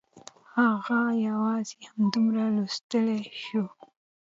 هغه یوازې همدومره لوستلی شو